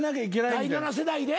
第７世代で？